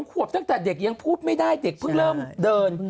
ขวบตั้งแต่เด็กยังพูดไม่ได้เด็กเพิ่งเริ่มเดิน